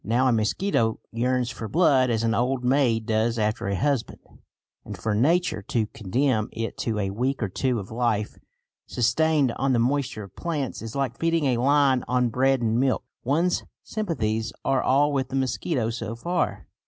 Now a mosquito yearns for blood as an old maid does after a husband, and for Nature to condemn it to a week or two of life sustained on the moisture of plants is like feeding a lion on bread and milk. One's sympathies are all with the mosquito so far.